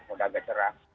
sudah agak cerah